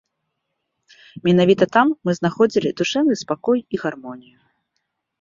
Менавіта там мы знаходзілі душэўны спакой і гармонію.